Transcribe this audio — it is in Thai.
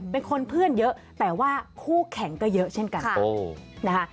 เป็นคนเพื่อนเยอะแต่ว่าคู่แข่งก็เยอะเช่นกันนะคะ